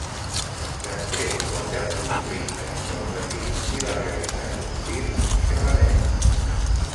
Després de l'etern conflicte entre el desig i la realitat hostil, xalarem.